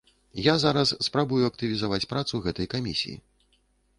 Я зараз спрабую актывізаваць працу гэтай камісіі.